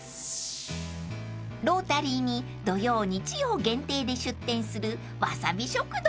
［ロータリーに土曜日曜限定で出店する］